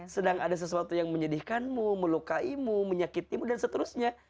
sedang ada sesuatu yang menyedihkanmu melukaimu menyakitimu dan seterusnya